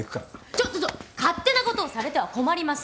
ちょちょちょ勝手なことをされては困ります。